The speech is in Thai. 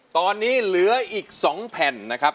ตอนนี้เหลืออีก๒แผ่นนะครับ